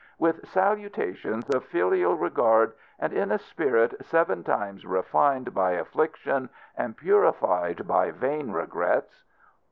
With salutations of filial regard, and in a spirit seven times refined by affliction and purified by vain regrets.